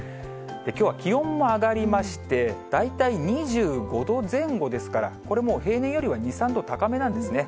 きょうは気温も上がりまして、大体２５度前後ですから、これもう、平年よりは２、３度高めなんですね。